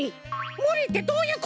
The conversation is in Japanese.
むりってどういうことやねん！